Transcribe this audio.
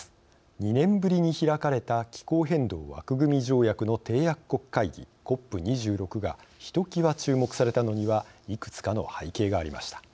２年ぶりに開かれた気候変動枠組条約の締約国会議ＣＯＰ２６がひときわ注目されたのにはいくつかの背景がありました。